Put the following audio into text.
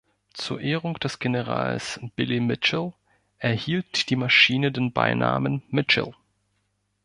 Zur Ehrung des Generals Billy Mitchell erhielt die Maschine den Beinamen "Mitchell".